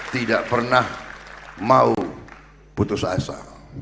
tidak pernah mau putus asa